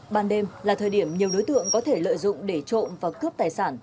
ban đêm là thời điểm nhiều đối tượng có thể lợi dụng để trộm và cướp tài sản